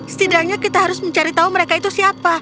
setidaknya kita harus mencari tahu mereka itu siapa